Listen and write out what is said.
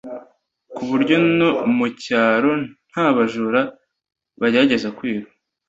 ku buryo no mu cyaro nta bajura bagerageza kwiba